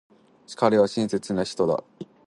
彼は親切な人だ。